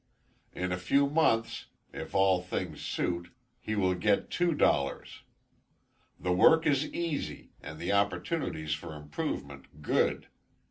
In a few months, if all things suit, he will get two dollars. The work is easy, and the opportunities for improvement good.